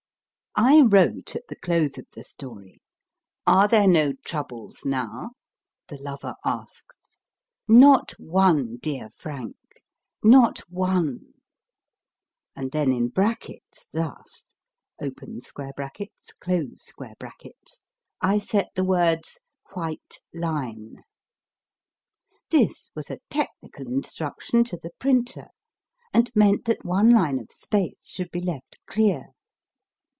I wrote at the close of the story : 1 Are there no troubles now ? the lover asks. Not one, dear Frank. Not one. And then, in brackets, thus [] I set the words : [White line.] This was a technical instruction to the printer, and meant that one line of space should be left clear.